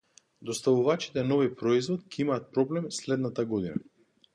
Доставувачите на овој производ ќе имаат проблем следната година.